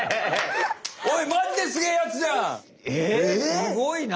すごいな！